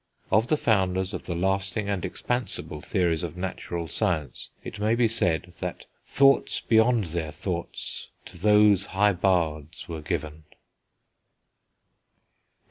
Of the founders of the lasting and expansible theories of natural science, it may be said, that "thoughts beyond their thoughts to those high bards were given."